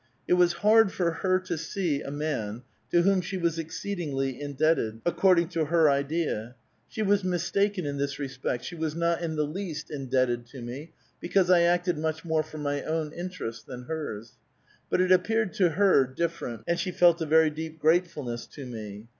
It was hard for her to see a man to whom she was exceedingly indebted, according to her idea. She was mistaken in this respect; she was not in the least indebted to me, because I acted much more for my own interests than hei*st "But it appeared to her diflfercMit, and she felt a very deep gratefulness to me.